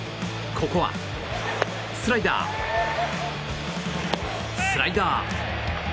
ここはスライダー、スライダー。